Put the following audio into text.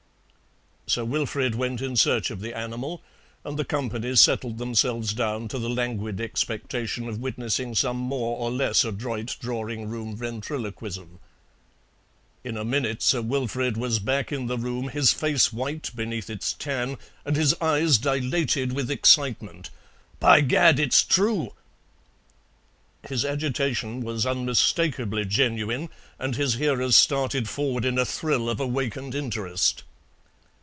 Sir Wilfrid went in search of the animal, and the company settled themselves down to the languid expectation of witnessing some more or less adroit drawing room ventriloquism. In a minute Sir Wilfrid was back in the room, his face white beneath its tan and his eyes dilated with excitement. "By Gad, it's true!" His agitation was unmistakably genuine, and his hearers started forward in a thrill of awakened interest.